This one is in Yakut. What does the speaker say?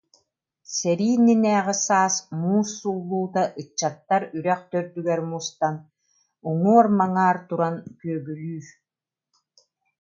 Сэрии иннинээҕи саас муус суллуута ыччаттар үрэх төрдүгэр мустан, уңуор-маңаар туран күөгүлүүр,